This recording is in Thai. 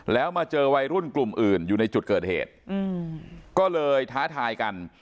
แล้วมาเจอวัยรุ่นกลุ่มอื่นอยู่ในจุดเกิดเหตุก็เลยท้าทายกัน